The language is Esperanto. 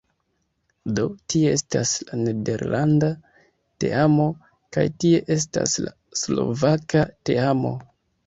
Do tie estas la nederlanda teamo kaj tie estas la slovaka teamo